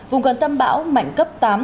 vùng gần tâm bão mạnh cấp tám